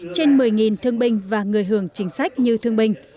trên một mươi thương binh và người hưởng chính sách như thương binh